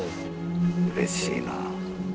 うれしいなぁ。